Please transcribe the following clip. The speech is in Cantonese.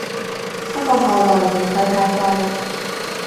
不過後來嫌佢太貴